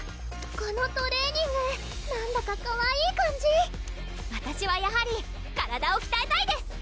このトレーニングなんだかかわいい感じわたしはやはり体をきたえたいです！